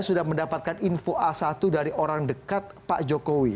sudah mendapatkan info a satu dari orang dekat pak jokowi